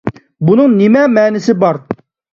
بۇنىڭ نېمە مەنىسى بار؟